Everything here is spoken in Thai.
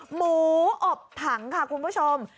หมูอบถังค่ะคุณผู้ชม